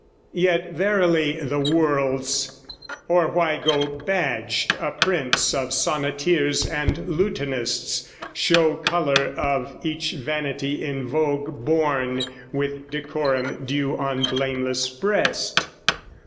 Yet verily the world's, or why go badged A prince of sonneteers and lutanists, Show colour of each vanity in vogue Borne with decorum due on blameless breast?